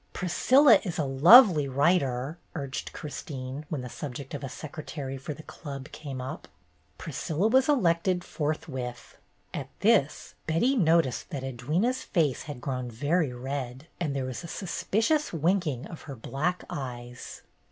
"Priscilla is a lovely writer," urged Chris tine, when the subject of a secretary for the Club came up. Priscilla was elected forthwith. At this, Betty noticed that Edwyna's face had grown very red, and there was a suspicious winking of her black eyes.